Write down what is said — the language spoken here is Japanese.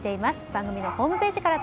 番組のホームページから